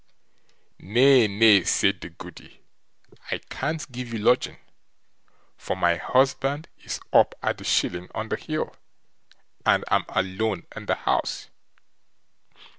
"Nay, nay", said the Goody, "I can't give you lodging, for my husband is up at the shieling on the hill, and I'm alone in the house.